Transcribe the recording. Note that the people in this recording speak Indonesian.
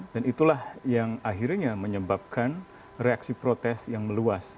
dan itulah yang akhirnya menyebabkan reaksi protes yang meluas